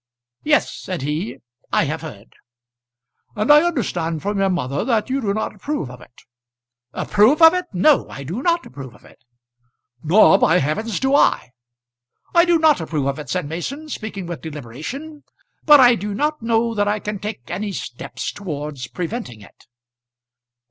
"Yes," said he, "I have heard." "And I understand from your mother that you do not approve of it." "Approve of it! No; I do not approve of it." "Nor by heavens do I!" "I do not approve of it," said Mason, speaking with deliberation; "but I do not know that I can take any steps towards preventing it."